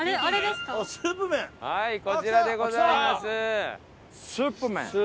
はいこちらでございます。